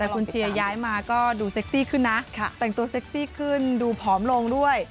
แต่คุณเชียร์ย้ายมาก็ดูเซ็กซี่ขึ้นนะแต่งตัวเซ็กซี่ขึ้นดูผอมลงด้วย